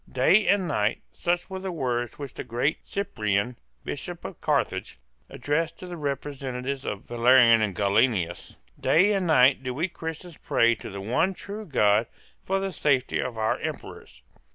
"Day and night," such were the words which the great Cyprian, Bishop of Carthage, addressed to the representative of Valerian and Gallienus, "day and night do we Christians pray to the one true God for the safety of our Emperors."